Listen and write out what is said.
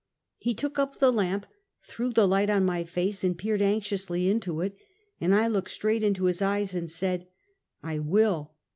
" He took up the lamp, threw the light on my face, and peered anxiously into it, and I looked straight into his eyes, and said: "I will!"